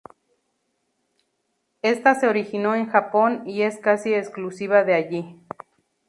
Esta se originó en Japón y es casi exclusiva de allí.